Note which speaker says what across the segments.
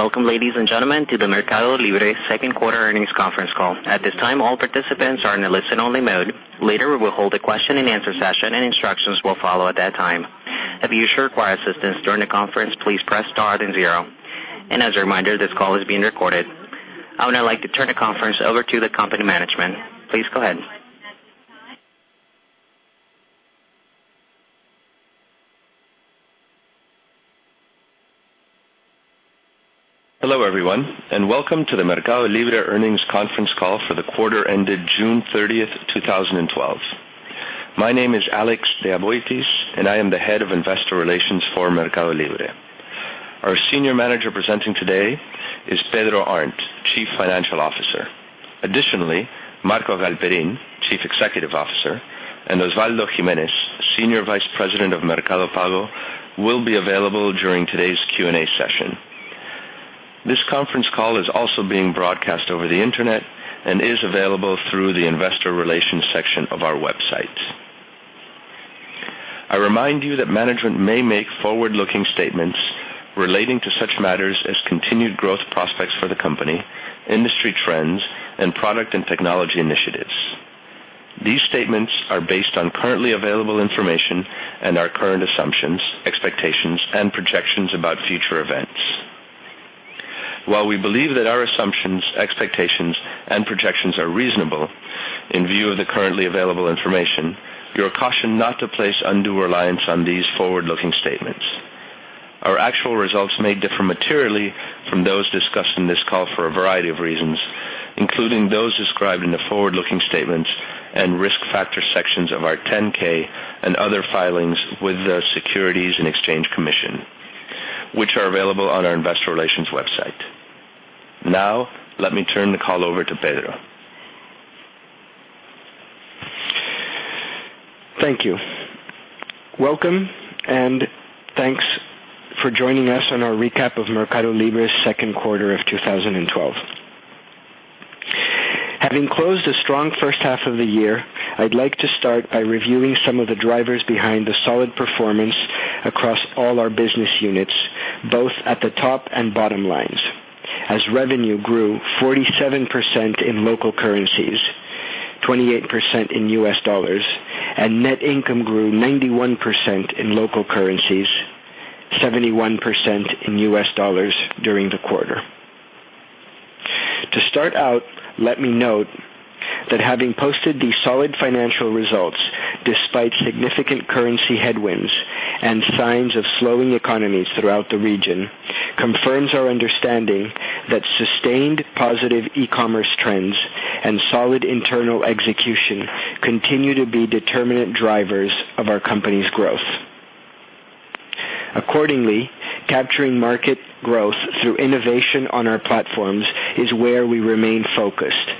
Speaker 1: Welcome, ladies and gentlemen, to the MercadoLibre second quarter earnings conference call. At this time, all participants are in a listen-only mode. Later, we will hold a question-and-answer session, and instructions will follow at that time. If you should require assistance during the conference, please press star then zero. As a reminder, this call is being recorded. I would now like to turn the conference over to the company management. Please go ahead.
Speaker 2: Hello, everyone, welcome to the MercadoLibre earnings conference call for the quarter ended June 30th, 2012. My name is Alex Diaboitis, and I am the Head of Investor Relations for MercadoLibre. Our Senior Manager presenting today is Pedro Arnt, Chief Financial Officer. Additionally, Marcos Galperin, Chief Executive Officer, and OsvaldoGiménez, Senior Vice President of Mercado Pago, will be available during today's Q&A session. This conference call is also being broadcast over the internet and is available through the investor relations section of our website. I remind you that management may make forward-looking statements relating to such matters as continued growth prospects for the company, industry trends, and product and technology initiatives. These statements are based on currently available information and our current assumptions, expectations, and projections about future events. While we believe that our assumptions, expectations, and projections are reasonable in view of the currently available information, you are cautioned not to place undue reliance on these forward-looking statements. Our actual results may differ materially from those discussed in this call for a variety of reasons, including those described in the forward-looking statements and risk factor sections of our 10-K and other filings with the Securities and Exchange Commission, which are available on our investor relations website. Let me turn the call over to Pedro.
Speaker 3: Thank you. Welcome, thanks for joining us on our recap of MercadoLibre's second quarter of 2012. Having closed a strong first half of the year, I'd like to start by reviewing some of the drivers behind the solid performance across all our business units, both at the top and bottom lines, as revenue grew 47% in local currencies, 28% in US dollars, and net income grew 91% in local currencies, 71% in US dollars during the quarter. To start out, let me note that having posted these solid financial results despite significant currency headwinds and signs of slowing economies throughout the region, confirms our understanding that sustained positive e-commerce trends and solid internal execution continue to be determinant drivers of our company's growth. Accordingly, capturing market growth through innovation on our platforms is where we remain focused,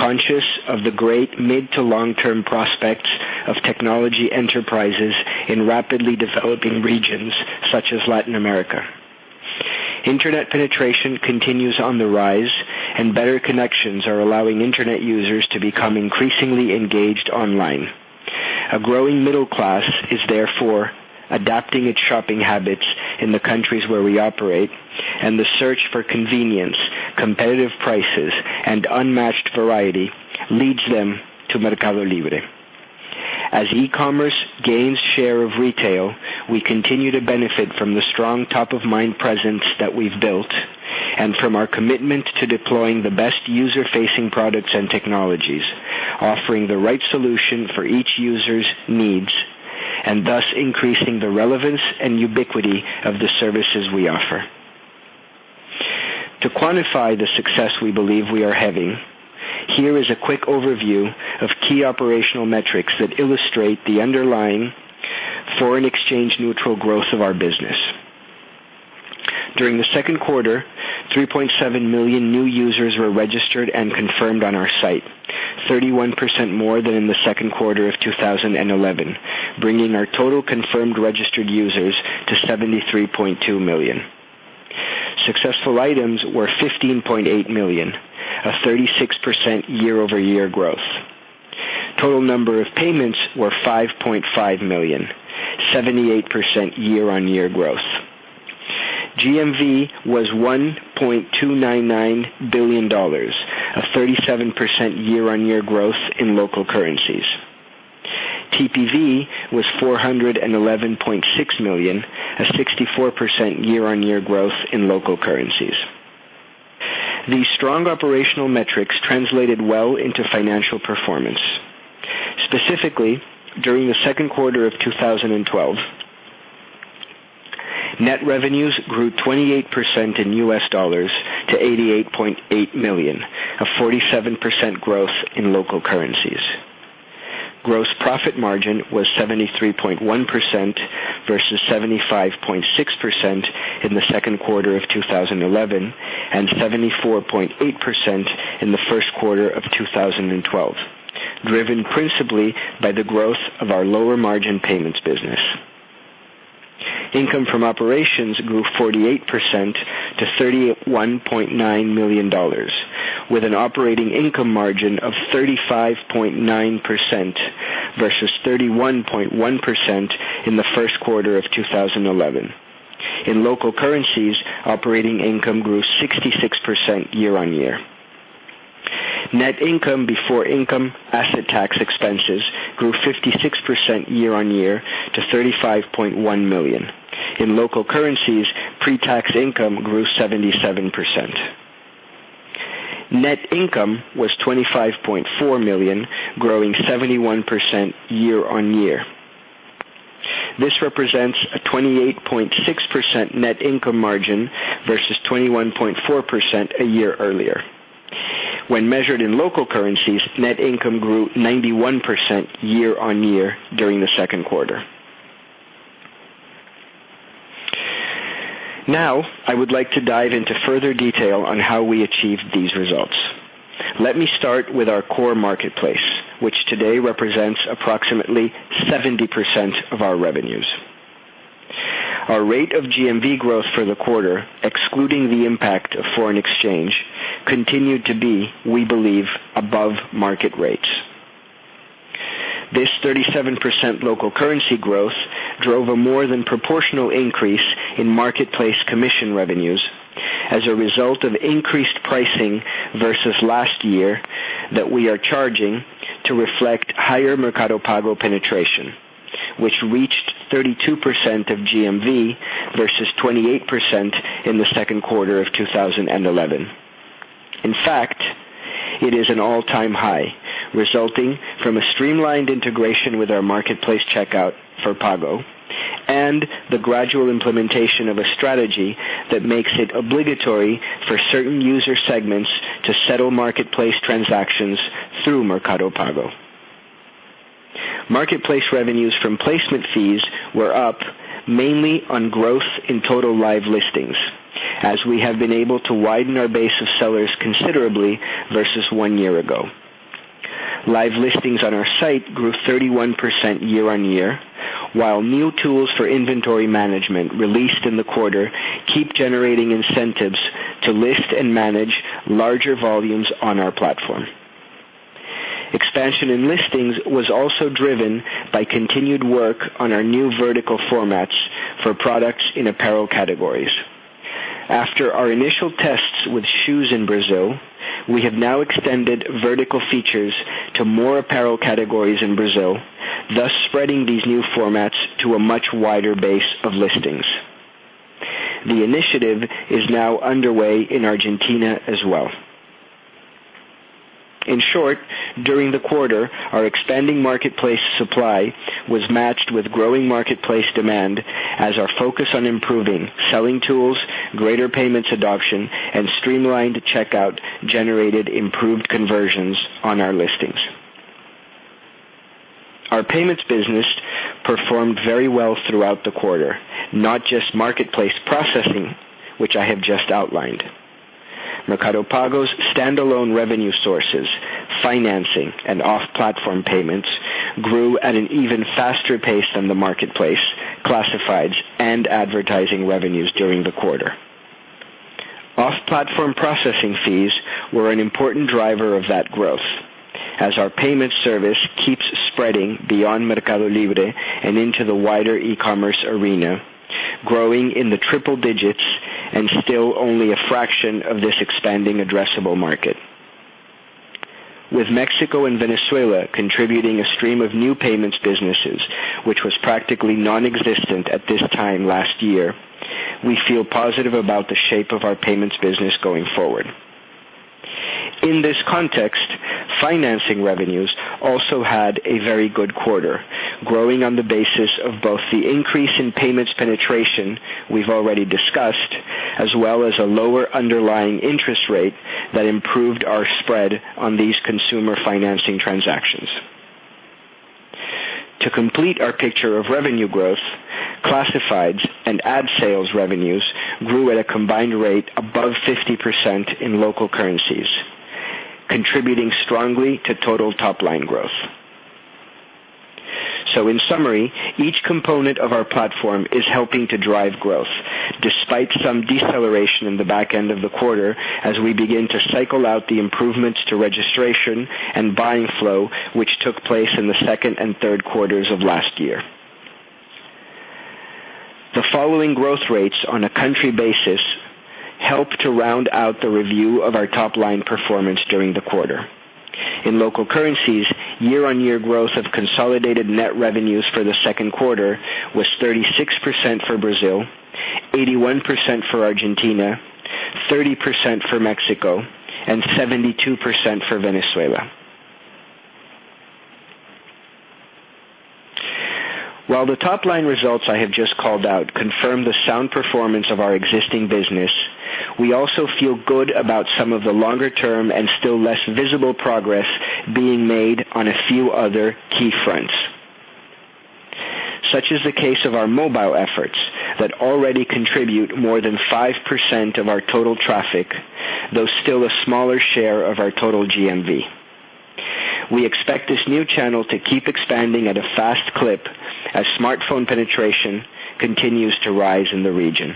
Speaker 3: conscious of the great mid- to long-term prospects of technology enterprises in rapidly developing regions such as Latin America. Internet penetration continues on the rise, and better connections are allowing internet users to become increasingly engaged online. A growing middle class is therefore adapting its shopping habits in the countries where we operate, and the search for convenience, competitive prices, and unmatched variety leads them to MercadoLibre. As e-commerce gains share of retail, we continue to benefit from the strong top-of-mind presence that we've built and from our commitment to deploying the best user-facing products and technologies, offering the right solution for each user's needs, and thus increasing the relevance and ubiquity of the services we offer. To quantify the success we believe we are having, here is a quick overview of key operational metrics that illustrate the underlying foreign exchange neutral growth of our business. During the second quarter, 3.7 million new users were registered and confirmed on our site, 31% more than in the second quarter of 2011, bringing our total confirmed registered users to 73.2 million. Successful items were 15.8 million, a 36% year-over-year growth. Total number of payments were 5.5 million, 78% year-on-year growth. GMV was $1.299 billion, a 37% year-on-year growth in local currencies. TPV was $411.6 million, a 64% year-on-year growth in local currencies. These strong operational metrics translated well into financial performance. Specifically, during the second quarter of 2012, net revenues grew 28% in U.S. dollars to $88.8 million, a 47% growth in local currencies. Gross profit margin was 73.1% versus 75.6% in the second quarter of 2011 and 74.8% in the first quarter of 2012, driven principally by the growth of our lower-margin payments business. Income from operations grew 48% to $31.9 million, with an operating income margin of 35.9% versus 31.1% in the first quarter of 2011. In local currencies, operating income grew 66% year-on-year. Net income before income asset tax expenses grew 56% year-on-year to $35.1 million. In local currencies, pre-tax income grew 77%. Net income was $25.4 million, growing 71% year-on-year. This represents a 28.6% net income margin versus 21.4% a year earlier. When measured in local currencies, net income grew 91% year-on-year during the second quarter. Now, I would like to dive into further detail on how we achieved these results. Let me start with our core marketplace, which today represents approximately 70% of our revenues. Our rate of GMV growth for the quarter, excluding the impact of foreign exchange, continued to be, we believe, above market rates. This 37% local currency growth drove a more than proportional increase in marketplace commission revenues as a result of increased pricing versus last year that we are charging to reflect higher Mercado Pago penetration, which reached 32% of GMV versus 28% in the second quarter of 2011. In fact, it is an all-time high, resulting from a streamlined integration with our marketplace checkout for Pago and the gradual implementation of a strategy that makes it obligatory for certain user segments to settle marketplace transactions through Mercado Pago. Marketplace revenues from placement fees were up mainly on growth in total live listings, as we have been able to widen our base of sellers considerably versus one year ago. Live listings on our site grew 31% year-on-year, while new tools for inventory management released in the quarter keep generating incentives to list and manage larger volumes on our platform. Expansion in listings was also driven by continued work on our new vertical formats for products in apparel categories. After our initial tests with shoes in Brazil, we have now extended vertical features to more apparel categories in Brazil, thus spreading these new formats to a much wider base of listings. The initiative is now underway in Argentina as well. In short, during the quarter, our expanding marketplace supply was matched with growing marketplace demand as our focus on improving selling tools, greater payments adoption, and streamlined checkout generated improved conversions on our listings. Our payments business performed very well throughout the quarter, not just marketplace processing, which I have just outlined. Mercado Pago's standalone revenue sources, financing, and off-platform payments grew at an even faster pace than the marketplace, classifieds, and advertising revenues during the quarter. Off-platform processing fees were an important driver of that growth as our payment service keeps spreading beyond Mercado Libre and into the wider e-commerce arena, growing in the triple digits and still only a fraction of this expanding addressable market. With Mexico and Venezuela contributing a stream of new payments businesses, which was practically nonexistent at this time last year, we feel positive about the shape of our payments business going forward. In this context, financing revenues also had a very good quarter, growing on the basis of both the increase in payments penetration we've already discussed, as well as a lower underlying interest rate that improved our spread on these consumer financing transactions. To complete our picture of revenue growth, classifieds, and ad sales revenues grew at a combined rate above 50% in local currencies, contributing strongly to total top-line growth. In summary, each component of our platform is helping to drive growth, despite some deceleration in the back end of the quarter as we begin to cycle out the improvements to registration and buying flow, which took place in the second and third quarters of last year. The following growth rates on a country basis help to round out the review of our top-line performance during the quarter. In local currencies, year-on-year growth of consolidated net revenues for the second quarter was 36% for Brazil, 81% for Argentina, 30% for Mexico, and 72% for Venezuela. While the top-line results I have just called out confirm the sound performance of our existing business, we also feel good about some of the longer-term and still less visible progress being made on a few other key fronts. Such is the case of our mobile efforts that already contribute more than 5% of our total traffic, though still a smaller share of our total GMV. We expect this new channel to keep expanding at a fast clip as smartphone penetration continues to rise in the region.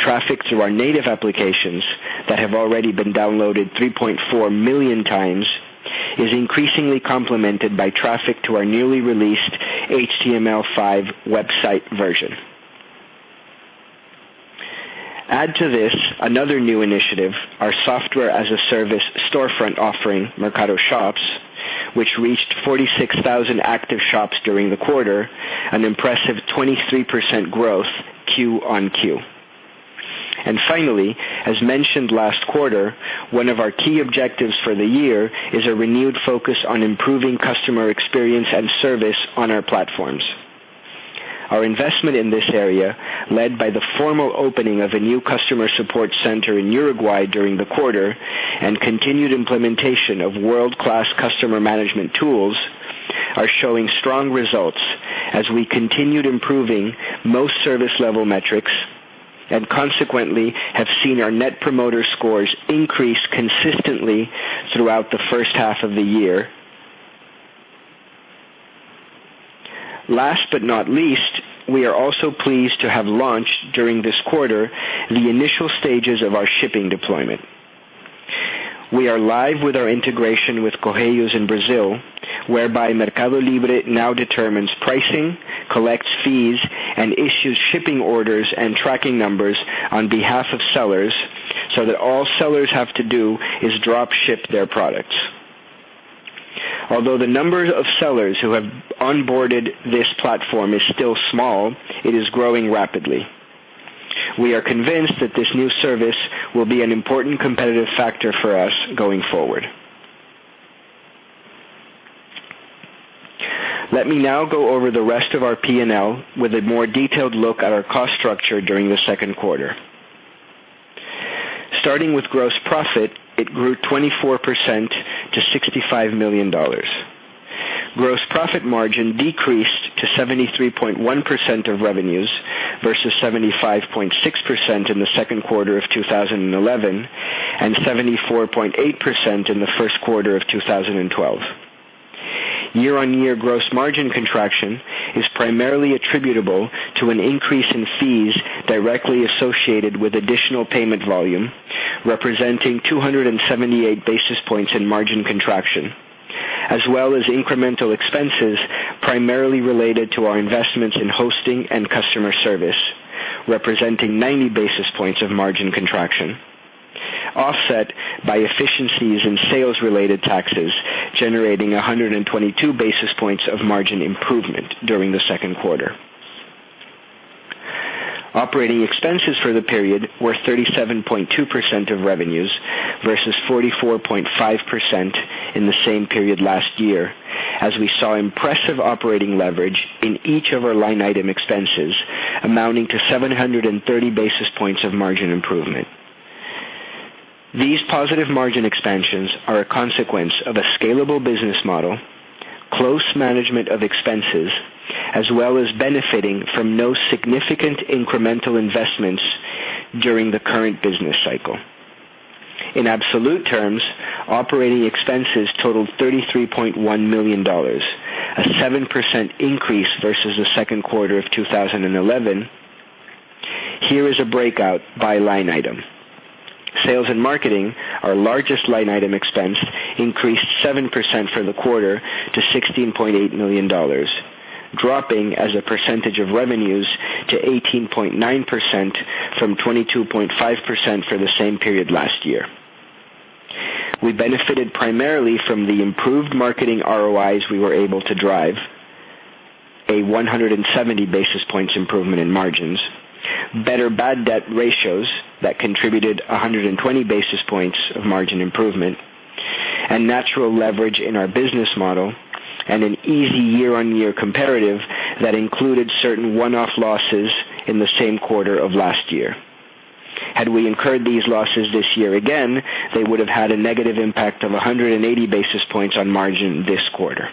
Speaker 3: Traffic to our native applications, that have already been downloaded 3.4 million times, is increasingly complemented by traffic to our newly released HTML5 website version. Add to this another new initiative, our software-as-a-service storefront offering, Mercado Shops, which reached 46,000 active shops during the quarter, an impressive 23% growth Q-on-Q. Finally, as mentioned last quarter, one of our key objectives for the year is a renewed focus on improving customer experience and service on our platforms. Our investment in this area, led by the formal opening of a new customer support center in Uruguay during the quarter, and continued implementation of world-class customer management tools, are showing strong results as we continued improving most service-level metrics, and consequently have seen our Net Promoter Scores increase consistently throughout the first half of the year. Last but not least, we are also pleased to have launched during this quarter the initial stages of our shipping deployment. We are live with our integration with Correios in Brazil, whereby Mercado Libre now determines pricing, collects fees, and issues shipping orders and tracking numbers on behalf of sellers, so that all sellers have to do is drop ship their products. Although the number of sellers who have onboarded this platform is still small, it is growing rapidly. We are convinced that this new service will be an important competitive factor for us going forward. Let me now go over the rest of our P&L with a more detailed look at our cost structure during the second quarter. Starting with gross profit, it grew 24% to $65 million. Gross profit margin decreased to 73.1% of revenues versus 75.6% in the second quarter of 2011, and 74.8% in the first quarter of 2012. Year-over-year gross margin contraction is primarily attributable to an increase in fees directly associated with additional payment volume, representing 278 basis points in margin contraction, as well as incremental expenses primarily related to our investments in hosting and customer service, representing 90 basis points of margin contraction, offset by efficiencies in sales-related taxes, generating 122 basis points of margin improvement during the second quarter. Operating expenses for the period were 37.2% of revenues versus 44.5% in the same period last year, as we saw impressive operating leverage in each of our line item expenses, amounting to 730 basis points of margin improvement. These positive margin expansions are a consequence of a scalable business model, close management of expenses, as well as benefiting from no significant incremental investments during the current business cycle. In absolute terms, operating expenses totaled $33.1 million, a 7% increase versus the second quarter of 2011. Here is a breakout by line item. Sales and marketing, our largest line item expense, increased 7% for the quarter to $16.8 million, dropping as a percentage of revenues to 18.9% from 22.5% for the same period last year. We benefited primarily from the improved marketing ROIs we were able to drive, a 170 basis points improvement in margins, better bad debt ratios that contributed 120 basis points of margin improvement, and natural leverage in our business model, and an easy year-over-year comparative that included certain one-off losses in the same quarter of last year. Had we incurred these losses this year again, they would have had a negative impact of 180 basis points on margin this quarter.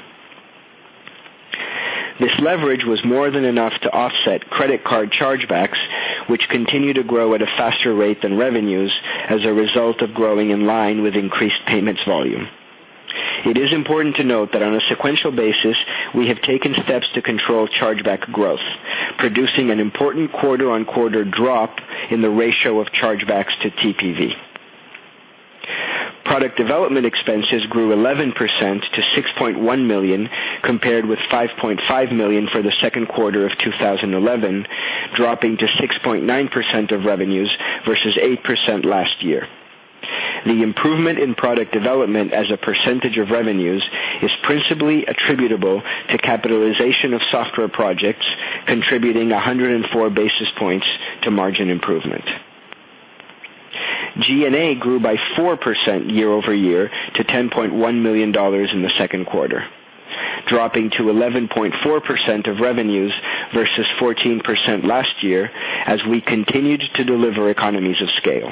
Speaker 3: This leverage was more than enough to offset credit card chargebacks, which continue to grow at a faster rate than revenues as a result of growing in line with increased payments volume. It is important to note that on a sequential basis, we have taken steps to control chargeback growth, producing an important quarter-on-quarter drop in the ratio of chargebacks to TPV. Product development expenses grew 11% to $6.1 million, compared with $5.5 million for the second quarter of 2011, dropping to 6.9% of revenues versus 8% last year. The improvement in product development as a percentage of revenues is principally attributable to capitalization of software projects, contributing 104 basis points to margin improvement. G&A grew by 4% year-over-year to $10.1 million in the second quarter, dropping to 11.4% of revenues versus 14% last year as we continued to deliver economies of scale.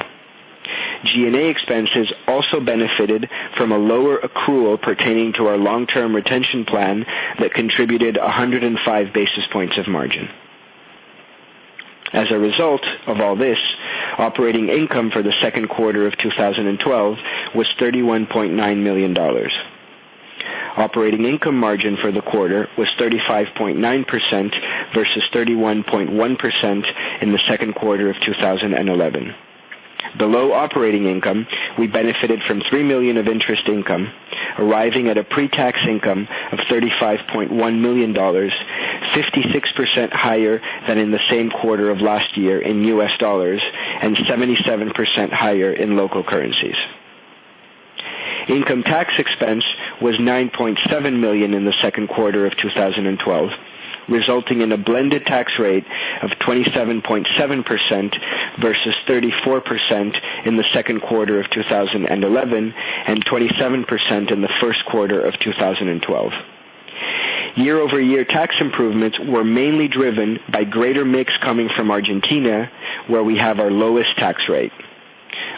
Speaker 3: G&A expenses also benefited from a lower accrual pertaining to our long-term retention plan that contributed 105 basis points of margin. As a result of all this, operating income for the second quarter of 2012 was $31.9 million. Operating income margin for the quarter was 35.9% versus 31.1% in the second quarter of 2011. Below operating income, we benefited from $3 million of interest income arriving at a pre-tax income of $35.1 million, 56% higher than in the same quarter of last year in US dollars and 77% higher in local currencies. Income tax expense was $9.7 million in the second quarter of 2012, resulting in a blended tax rate of 27.7% versus 34% in the second quarter of 2011, and 27% in the first quarter of 2012. Year-over-year tax improvements were mainly driven by greater mix coming from Argentina, where we have our lowest tax rate.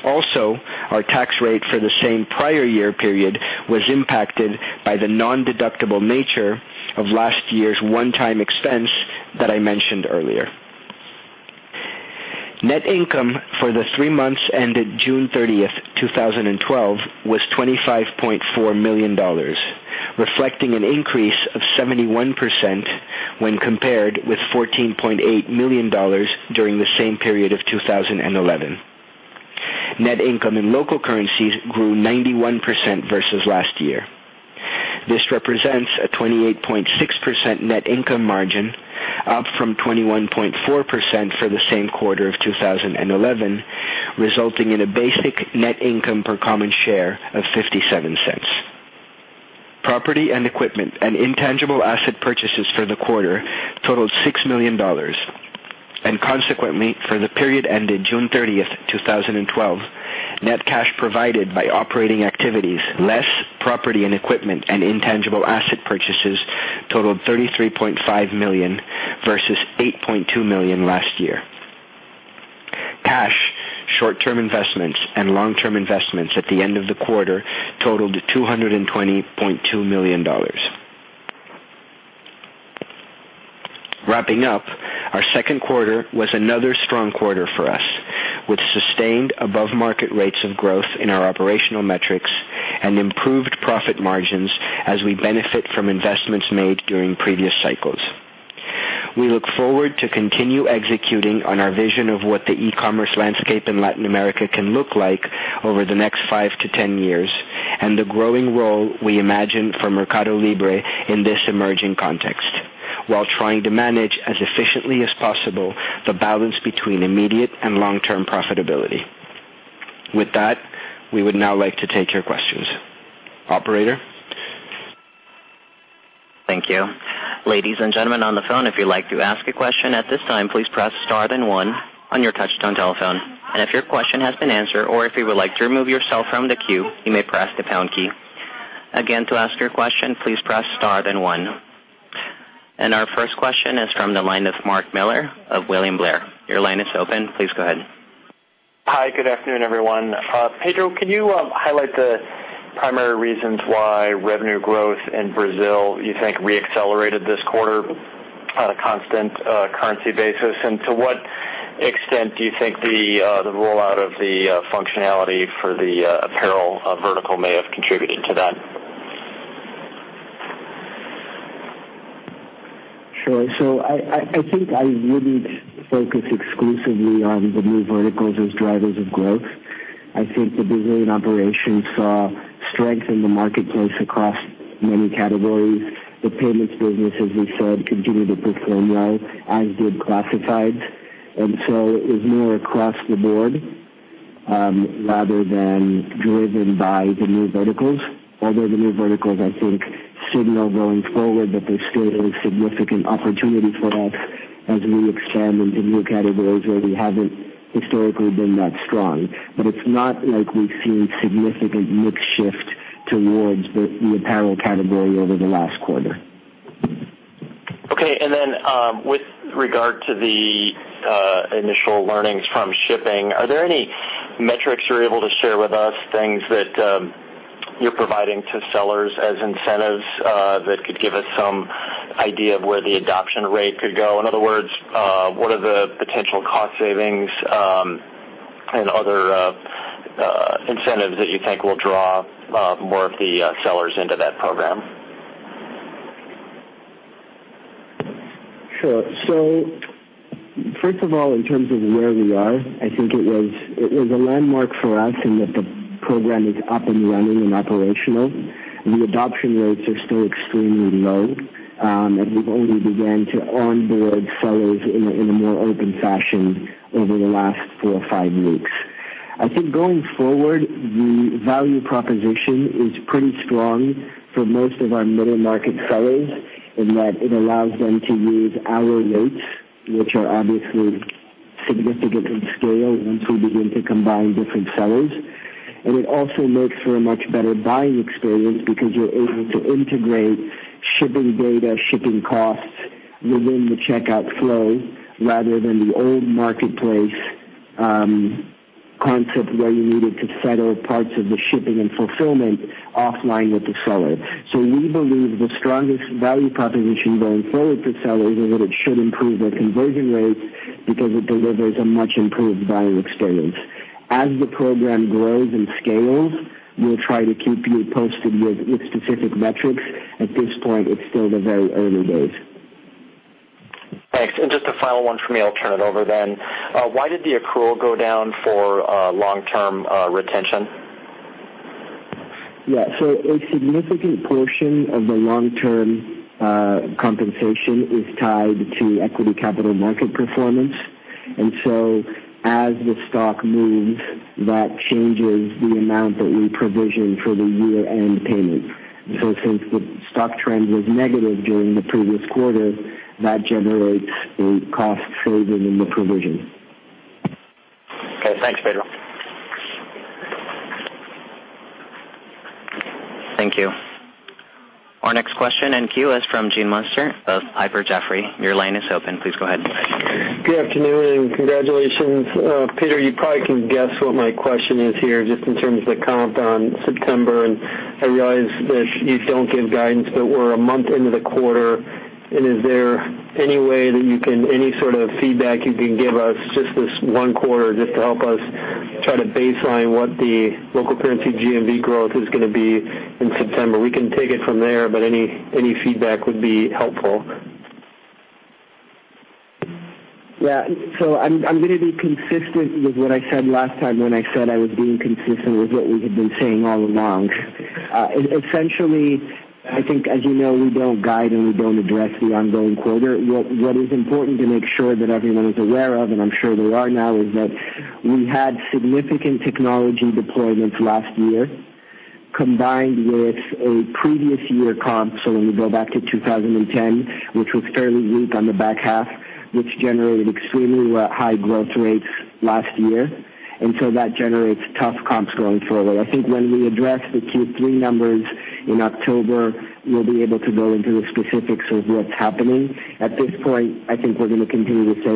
Speaker 3: Our tax rate for the same prior year period was impacted by the non-deductible nature of last year's one-time expense that I mentioned earlier. Net income for the three months ended June 30th, 2012, was $25.4 million, reflecting an increase of 71% when compared with $14.8 million during the same period of 2011. Net income in local currencies grew 91% versus last year. This represents a 28.6% net income margin, up from 21.4% for the same quarter of 2011, resulting in a basic net income per common share of $0.57. Property and equipment and intangible asset purchases for the quarter totaled $6 million, and consequently, for the period ended June 30th, 2012, net cash provided by operating activities, less property and equipment and intangible asset purchases totaled $33.5 million versus $8.2 million last year. Cash, short-term investments, and long-term investments at the end of the quarter totaled $220.2 million. Our second quarter was another strong quarter for us, with sustained above-market rates of growth in our operational metrics and improved profit margins as we benefit from investments made during previous cycles. We look forward to continue executing on our vision of what the e-commerce landscape in Latin America can look like over the next 5 to 10 years, and the growing role we imagine for MercadoLibre in this emerging context, while trying to manage, as efficiently as possible, the balance between immediate and long-term profitability. We would now like to take your questions. Operator?
Speaker 1: Thank you. Ladies and gentlemen on the phone, if you'd like to ask a question at this time, please press star then one on your touch-tone telephone. If your question has been answered or if you would like to remove yourself from the queue, you may press the pound key. Again, to ask your question, please press star then one. Our first question is from the line of Mark Miller of William Blair. Your line is open. Please go ahead.
Speaker 4: Hi. Good afternoon, everyone. Pedro, can you highlight the primary reasons why revenue growth in Brazil you think re-accelerated this quarter on a constant currency basis? To what extent do you think the rollout of the functionality for the apparel vertical may have contributed to that?
Speaker 3: Sure. I think I wouldn't focus exclusively on the new verticals as drivers of growth. I think the Brazilian operations saw strength in the marketplace across many categories. The payments business, as we said, continued to perform well, as did classifieds. It was more across the board, rather than driven by the new verticals. Although the new verticals, I think, signal going forward that there still is significant opportunity for us as we expand into new categories where we haven't historically been that strong. It's not like we've seen significant mix shift towards the apparel category over the last quarter.
Speaker 4: Okay. With regard to the initial learnings from shipping, are there any metrics you're able to share with us, things that you're providing to sellers as incentives that could give us some idea of where the adoption rate could go? In other words, what are the potential cost savings and other incentives that you think will draw more of the sellers into that program?
Speaker 3: First of all, in terms of where we are, I think it was a landmark for us in that the program is up and running and operational. The adoption rates are still extremely low, and we've only began to onboard sellers in a more open fashion over the last four or five weeks. I think going forward, the value proposition is pretty strong for most of our middle-market sellers in that it allows them to use our rates, which are obviously significantly scaled once we begin to combine different sellers. It also makes for a much better buying experience because you're able to integrate shipping data, shipping costs within the checkout flow rather than the old marketplace concept where you needed to settle parts of the shipping and fulfillment offline with the seller. We believe the strongest value proposition going forward for sellers is that it should improve their conversion rates because it delivers a much improved buying experience. The program grows and scales, we'll try to keep you posted with specific metrics. At this point, it's still the very early days.
Speaker 4: Thanks. Just a final one from me, I'll turn it over then. Why did the accrual go down for long-term retention?
Speaker 3: A significant portion of the long-term compensation is tied to equity capital market performance. As the stock moves, that changes the amount that we provision for the year-end payment. Since the stock trend was negative during the previous quarter, that generates a cost saving in the provision.
Speaker 4: Okay, thanks, Pedro.
Speaker 1: Thank you. Our next question in queue is from Gene Munster of Piper Jaffray. Your line is open. Please go ahead.
Speaker 5: Good afternoon, congratulations. Pedro, you probably can guess what my question is here, just in terms of the comp on September. I realize that you don't give guidance. We're a month into the quarter. Is there any way that you can, any sort of feedback you can give us, just this one quarter, just to help us try to baseline what the local currency GMV growth is going to be in September? We can take it from there, any feedback would be helpful.
Speaker 3: Yeah. I'm going to be consistent with what I said last time when I said I was being consistent with what we had been saying all along. Essentially, I think, as you know, we don't guide. We don't address the ongoing quarter. What is important to make sure that everyone is aware of, and I'm sure they are now, is that we had significant technology deployments last year, combined with a previous year comp. When we go back to 2010, which was fairly weak on the back half, which generated extremely high growth rates last year. That generates tough comps going forward. I think when we address the Q3 numbers in October, we'll be able to go into the specifics of what's happening. At this point, I think we're going to continue to say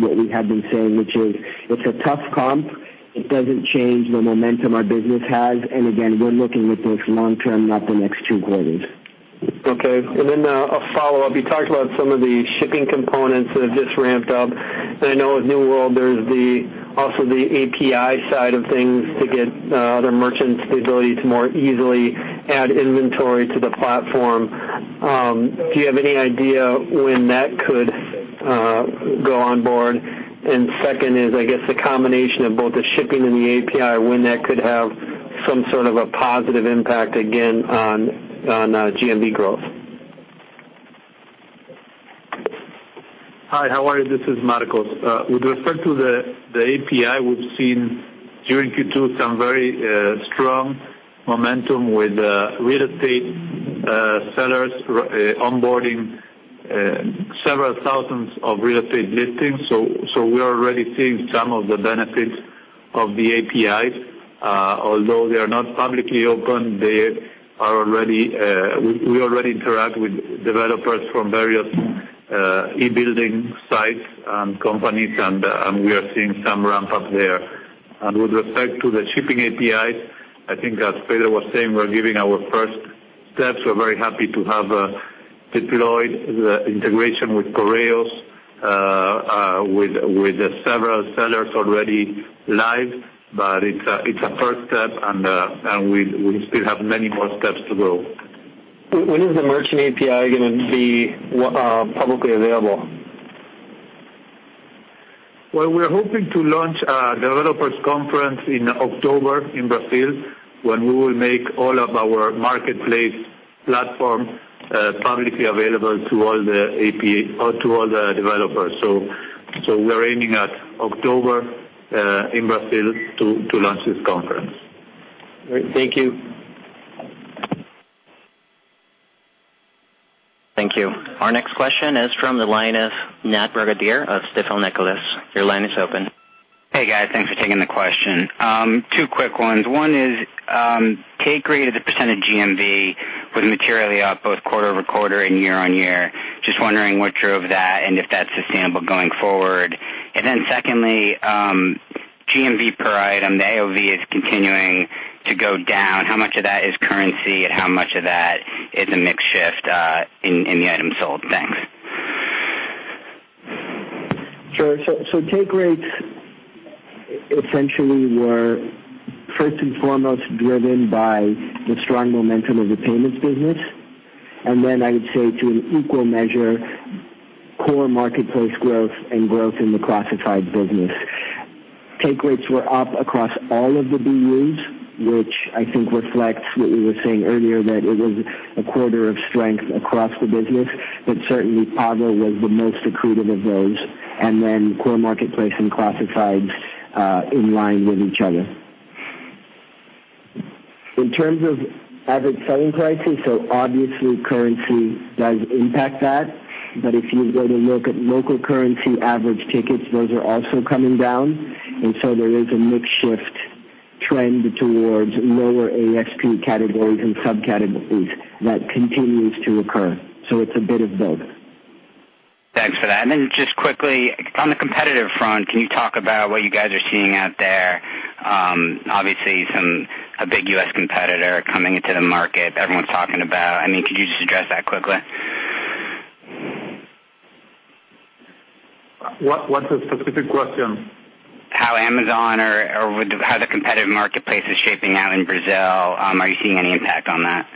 Speaker 3: what we have been saying, which is it's a tough comp. It doesn't change the momentum our business has, and again, we're looking at this long term, not the next two quarters.
Speaker 5: Okay. A follow-up. You talked about some of the shipping components that have just ramped up. I know with New World, there's also the API side of things to get other merchants the ability to more easily add inventory to the platform. Do you have any idea when that could go on board? Second is, I guess the combination of both the shipping and the API, when that could have some sort of a positive impact again on GMV growth.
Speaker 6: Hi, how are you? This is Marcos. With respect to the API, we've seen during Q2 some very strong momentum with real estate sellers onboarding several thousands of real estate listings. We are already seeing some of the benefits of the APIs. Although they are not publicly open, we already interact with developers from various e-building sites and companies, and we are seeing some ramp-up there. With respect to the shipping APIs, I think as Pedro was saying, we're giving our first steps. We're very happy to have deployed the integration with Correios, with several sellers already live, but it's a first step, and we still have many more steps to go.
Speaker 5: When is the merchant API going to be publicly available?
Speaker 6: Well, we're hoping to launch a developers conference in October in Brazil, when we will make all of our marketplace platform publicly available to all the developers. We're aiming at October in Brazil to launch this conference.
Speaker 5: Great. Thank you.
Speaker 1: Thank you. Our next question is from the line of Nat Brogadir of Stifel Nicolaus. Your line is open.
Speaker 7: Hey, guys. Thanks for taking the question. Two quick ones. One is, take rate as a % of GMV was materially up both quarter-over-quarter and year-on-year. Just wondering what drove that and if that's sustainable going forward. Secondly, GMV per item, the AOV is continuing to go down. How much of that is currency and how much of that is a mix shift in the items sold? Thanks.
Speaker 3: Sure. Take rates essentially were first and foremost driven by the strong momentum of the payments business, and then I would say to an equal measure, core marketplace growth and growth in the classified business. Take rates were up across all of the BUs, which I think reflects what we were saying earlier, that it was a quarter of strength across the business. Certainly, Pago was the most accretive of those, and then core marketplace and classifieds in line with each other. In terms of average selling prices, so obviously currency does impact that. If you were to look at local currency average tickets, those are also coming down. There is a mix shift trend towards lower ASP categories and subcategories that continues to occur. It's a bit of both.
Speaker 7: Thanks for that. Just quickly, on the competitive front, can you talk about what you guys are seeing out there? Obviously, a big U.S. competitor coming into the market everyone's talking about. Can you just address that quickly?
Speaker 6: What's the specific question?
Speaker 7: How Amazon or how the competitive marketplace is shaping out in Brazil. Are you seeing any impact on that?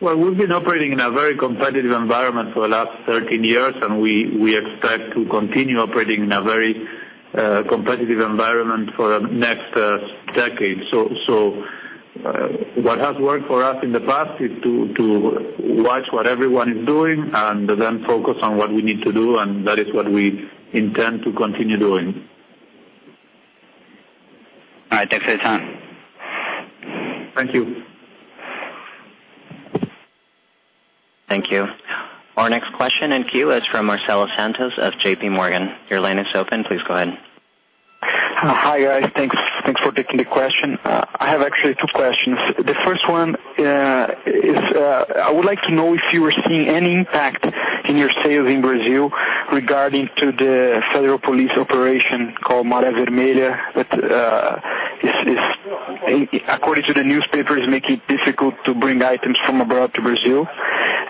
Speaker 6: Well, we've been operating in a very competitive environment for the last 13 years, and we expect to continue operating in a very competitive environment for the next decade. What has worked for us in the past is to watch what everyone is doing and then focus on what we need to do, and that is what we intend to continue doing.
Speaker 7: All right. Thanks for your time.
Speaker 6: Thank you.
Speaker 1: Thank you. Our next question in queue is from Marcelo Santos of JPMorgan. Your line is open. Please go ahead.
Speaker 8: Hi, guys. Thanks for taking the question. I have actually two questions. The first one is, I would like to know if you were seeing any impact in your sales in Brazil regarding to the federal police operation called Maré Vermelha, that according to the newspapers, make it difficult to bring items from abroad to Brazil.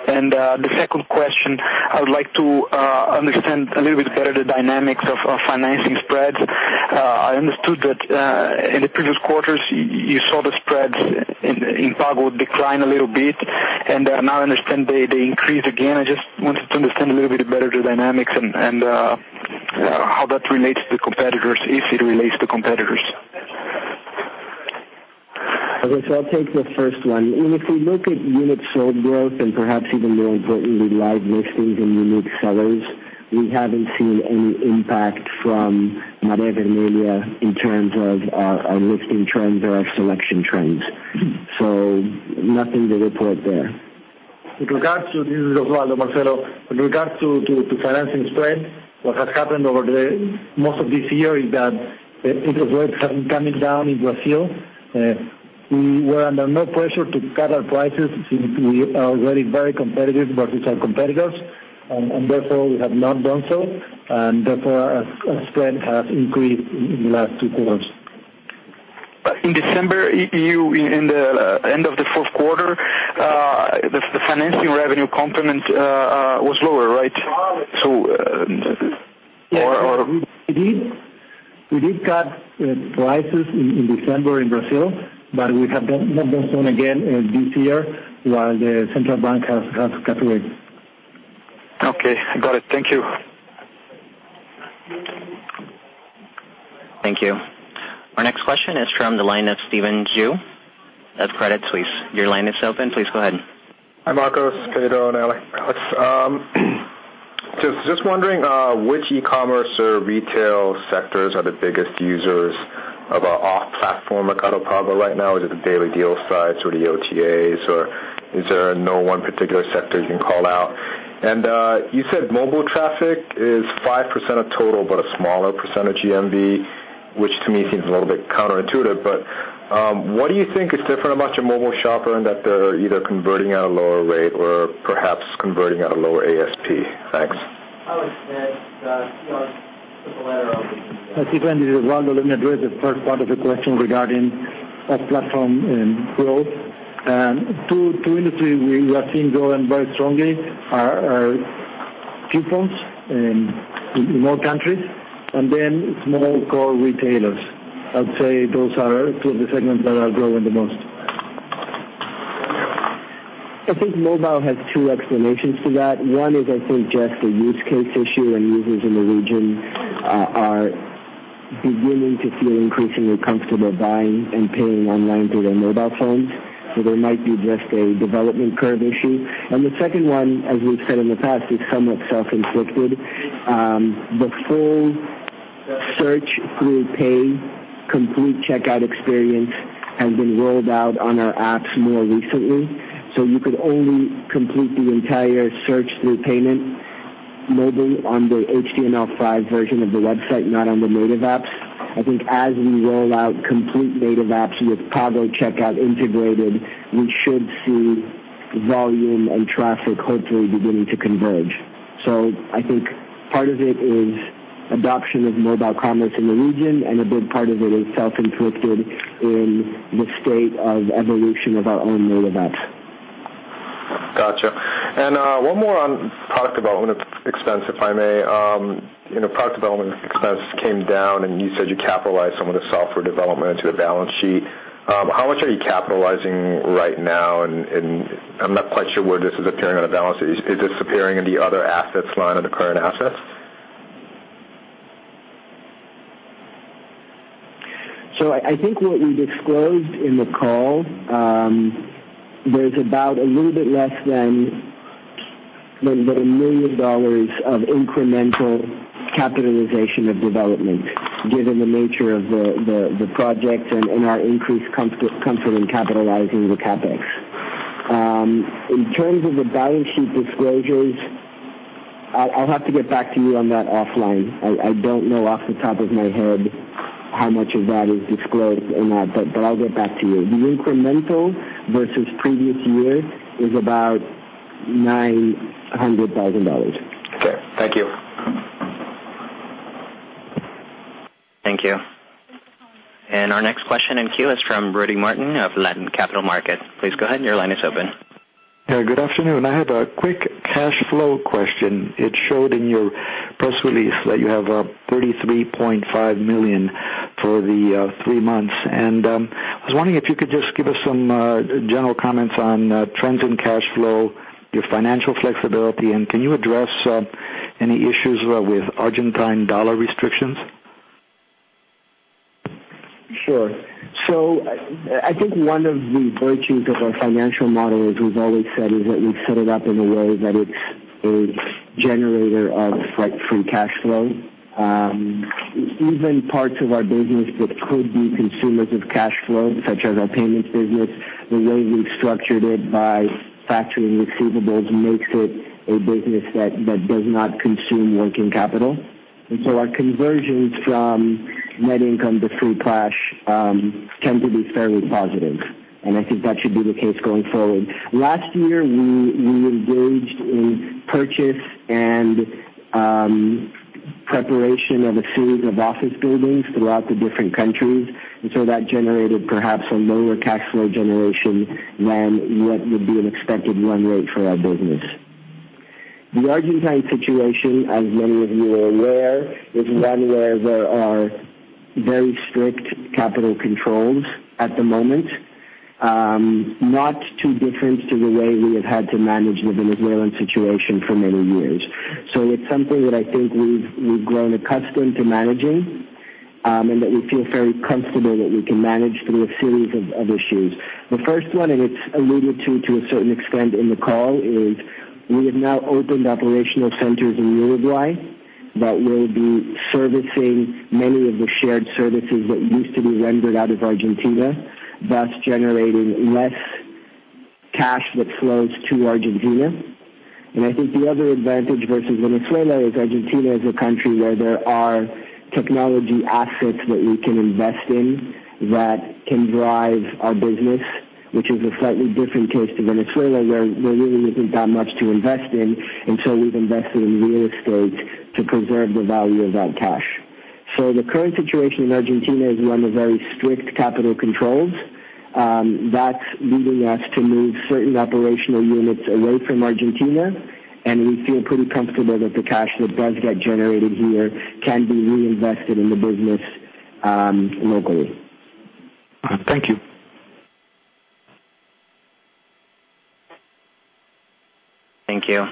Speaker 8: The second question, I would like to understand a little bit better the dynamics of financing spreads. I understood that in the previous quarters you saw the spreads in Mercado Pago decline a little bit and now I understand they increase again. I just wanted to understand a little bit better the dynamics and how that relates to competitors, if it relates to competitors.
Speaker 3: Okay. I'll take the first one. If we look at units sold growth and perhaps even more importantly, live listings and unique sellers, we haven't seen any impact from Maré Vermelha in terms of our listing trends or our selection trends. Nothing to report there.
Speaker 9: This is Osvaldo Giménez, Marcelo. With regards to financing spread, what has happened over most of this year is that interest rates have been coming down in Brazil. We were under no pressure to cut our prices since we are already very competitive versus our competitors, and therefore we have not done so, and therefore our spread has increased in the last two quarters.
Speaker 8: In December, in the end of the fourth quarter, the financing revenue component was lower, right?
Speaker 9: Yes. We did cut prices in December in Brazil, but we have not done so again this year while the central bank has cut rates.
Speaker 8: Okay, got it. Thank you.
Speaker 1: Thank you. Our next question is from the line of Stephen Ju of Credit Suisse. Your line is open. Please go ahead.
Speaker 10: Hi, Marcos, Pedro, and Alex. Just wondering which e-commerce or retail sectors are the biggest users of an off-platform Mercado Pago right now. Is it the daily deal sites or the OTAs, or is there no one particular sector you can call out? You said mobile traffic is 5% of total, but a smaller percentage GMV, which to me seems a little bit counterintuitive, but what do you think is different about your mobile shopper and that they're either converting at a lower rate or perhaps converting at a lower ASP? Thanks.
Speaker 9: Stephen, this is Osvaldo. Let me address the first part of the question regarding off-platform growth. Two industry we are seeing growing very strongly are coupons in more countries, and then small core retailers. I'd say those are two of the segments that are growing the most.
Speaker 3: I think mobile has two explanations for that. One is, I think, just a use case issue, and users in the region are beginning to feel increasingly comfortable buying and paying online through their mobile phones. There might be just a development curve issue. The second one, as we've said in the past, is somewhat self-inflicted. The full search through pay complete checkout experience has been rolled out on our apps more recently. You could only complete the entire search through payment mobile on the HTML5 version of the website, not on the native apps. I think as we roll out complete native apps with Mercado Pago checkout integrated, we should see volume and traffic hopefully beginning to converge. I think part of it is adoption of mobile commerce in the region, and a big part of it is self-inflicted in the state of evolution of our own mobile apps.
Speaker 10: Got you. One more on product development expense, if I may. Product development expense came down, you said you capitalized some of the software development to the balance sheet. How much are you capitalizing right now? I'm not quite sure where this is appearing on the balance sheet. Is this appearing in the other assets line of the current assets?
Speaker 3: I think what we've disclosed in the call, there's about a little bit less than $1 million of incremental capitalization of development given the nature of the project and our increased comfort in capitalizing the CapEx. In terms of the balance sheet disclosures I'll have to get back to you on that offline. I don't know off the top of my head how much of that is disclosed or not, but I'll get back to you. The incremental versus previous year is about $900,000.
Speaker 10: Okay. Thank you.
Speaker 1: Thank you. Our next question in queue is from Rudy Martin of Latin Capital Markets. Please go ahead. Your line is open.
Speaker 11: Good afternoon. I have a quick cash flow question. It showed in your press release that you have $33.5 million for the three months. I was wondering if you could just give us some general comments on trends in cash flow, your financial flexibility, and can you address any issues with Argentine dollar restrictions?
Speaker 3: Sure. I think one of the virtues of our financial model, as we've always said, is that we've set it up in a way that it's a generator of free cash flow. Even parts of our business that could be consumers of cash flow, such as our payments business, the way we've structured it by factoring receivables makes it a business that does not consume working capital. Our conversions from net income to free cash tend to be fairly positive, I think that should be the case going forward. Last year, we engaged in purchase and preparation of a series of office buildings throughout the different countries, that generated perhaps a lower cash flow generation than what would be an expected run rate for our business. The Argentine situation, as many of you are aware, is one where there are very strict capital controls at the moment. Not too different to the way we have had to manage the Venezuelan situation for many years. It's something that I think we've grown accustomed to managing, that we feel very comfortable that we can manage through a series of issues. The first one, it's alluded to a certain extent in the call, is we have now opened operational centers in Uruguay that will be servicing many of the shared services that used to be rendered out of Argentina, thus generating less cash that flows to Argentina. I think the other advantage versus Venezuela is Argentina is a country where there are technology assets that we can invest in that can drive our business, which is a slightly different case to Venezuela, where there really isn't that much to invest in, we've invested in real estate to preserve the value of that cash. The current situation in Argentina is one of very strict capital controls. That's leading us to move certain operational units away from Argentina, we feel pretty comfortable that the cash that does get generated here can be reinvested in the business locally.
Speaker 11: Thank you.
Speaker 1: Thank you.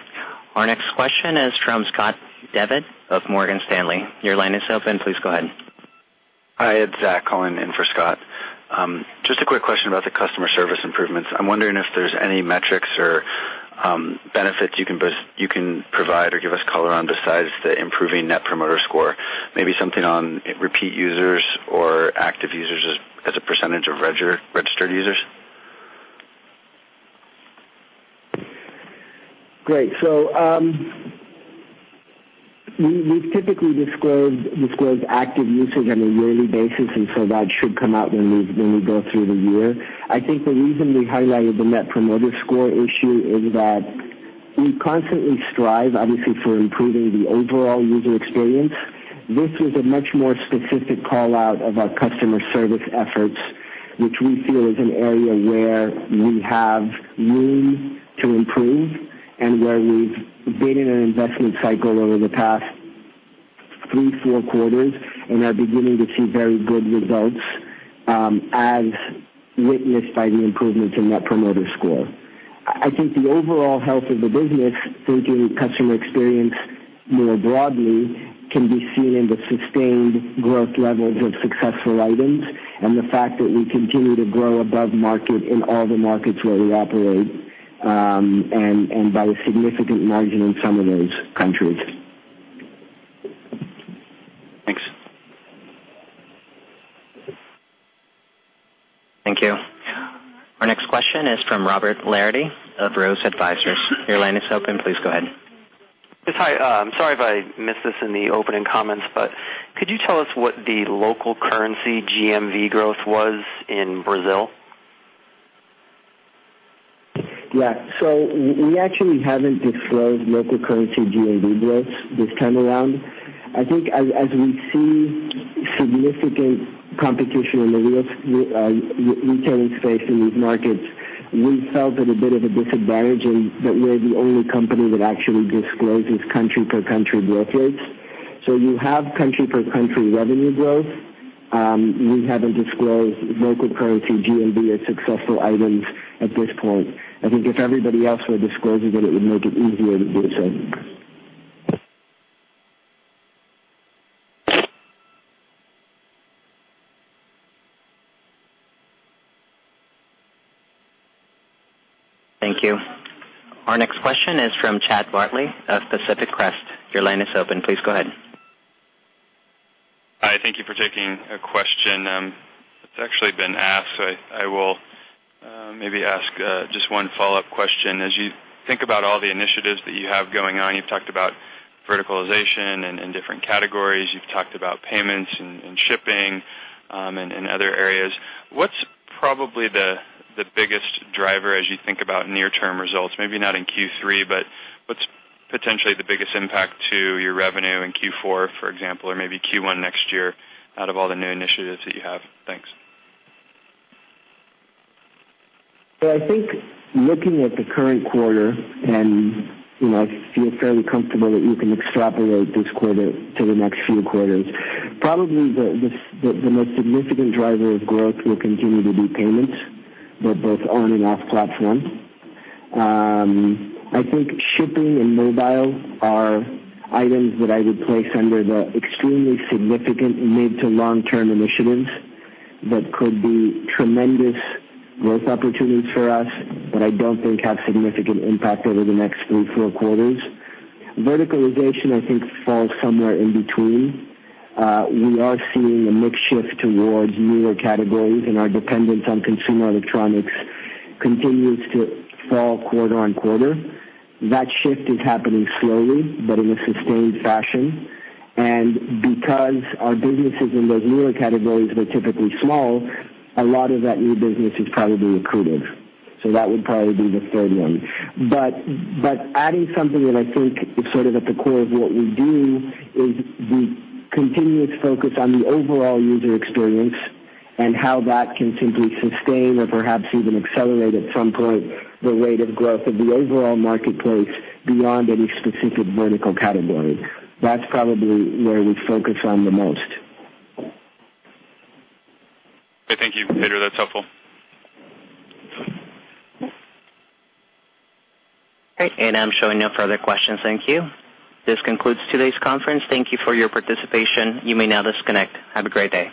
Speaker 1: Our next question is from Scott Devitt of Morgan Stanley. Your line is open. Please go ahead.
Speaker 12: Hi, it's Zach calling in for Scott. Just a quick question about the customer service improvements. I'm wondering if there's any metrics or benefits you can provide or give us color on besides the improving Net Promoter Score. Maybe something on repeat users or active users as a percentage of registered users.
Speaker 3: We've typically disclosed active usage on a yearly basis, and so that should come out when we go through the year. I think the reason we highlighted the Net Promoter Score issue is that we constantly strive, obviously, for improving the overall user experience. This was a much more specific call-out of our customer service efforts, which we feel is an area where we have room to improve and where we've been in an investment cycle over the past three, four quarters and are beginning to see very good results, as witnessed by the improvements in Net Promoter Score. I think the overall health of the business, thinking customer experience more broadly, can be seen in the sustained growth levels of successful items and the fact that we continue to grow above market in all the markets where we operate, and by a significant margin in some of those countries.
Speaker 12: Thanks.
Speaker 1: Thank you. Our next question is from Robert Larity of Rose Advisors. Your line is open. Please go ahead.
Speaker 13: Yes, hi. I'm sorry if I missed this in the opening comments, but could you tell us what the local currency GMV growth was in Brazil?
Speaker 3: Yeah. We actually haven't disclosed local currency GMV growth this time around. I think as we see significant competition in the retail space in these markets, we felt at a bit of a disadvantage in that we're the only company that actually discloses country per country growth rates. You have country per country revenue growth. We haven't disclosed local currency GMV or successful items at this point. I think if everybody else were disclosing it would make it easier to do so.
Speaker 1: Thank you. Our next question is from Chad Bartley of Pacific Crest. Your line is open. Please go ahead.
Speaker 14: Question. It's actually been asked, so I will maybe ask just one follow-up question. As you think about all the initiatives that you have going on, you've talked about verticalization in different categories. You've talked about payments and shipping, and other areas. What's probably the biggest driver as you think about near-term results? Maybe not in Q3, but what's potentially the biggest impact to your revenue in Q4, for example, or maybe Q1 next year, out of all the new initiatives that you have? Thanks.
Speaker 3: Well, I think looking at the current quarter. I feel fairly comfortable that we can extrapolate this quarter to the next few quarters. Probably the most significant driver of growth will continue to be payments, both on and off platform. I think shipping and mobile are items that I would place under the extremely significant mid to long-term initiatives that could be tremendous growth opportunities for us, but I don't think have significant impact over the next three, four quarters. Verticalization, I think, falls somewhere in between. We are seeing a mix shift towards newer categories. Our dependence on consumer electronics continues to fall quarter on quarter. That shift is happening slowly, but in a sustained fashion. Because our businesses in those newer categories were typically small, a lot of that new business is probably accretive. That would probably be the third one. Adding something that I think is sort of at the core of what we do is the continuous focus on the overall user experience and how that can simply sustain or perhaps even accelerate at some point the rate of growth of the overall marketplace beyond any specific vertical category. That's probably where we focus on the most.
Speaker 14: Okay. Thank you, Pedro. That's helpful.
Speaker 1: Great. I'm showing no further questions. Thank you. This concludes today's conference. Thank you for your participation. You may now disconnect. Have a great day.